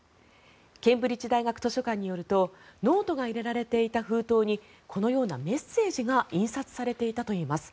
ケンブリッジ大学図書館によるとノートが入れられていた封筒にこのようなメッセージが印刷されていたといいます。